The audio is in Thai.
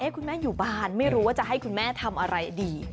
คุณแม่อยู่บ้านไม่รู้ว่าจะให้คุณแม่ทำอะไรดี